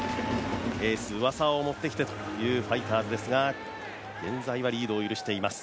エース・上沢を持ってきてのファイターズですが現在はリードを許しています。